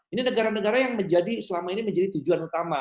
ini negara negara yang selama ini menjadi tujuan utama